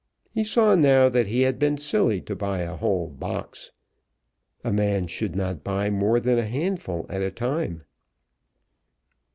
He saw now that he had been silly to buy a whole box. A man should not buy more than a handful at a time.